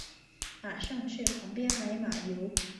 马上去旁边买马油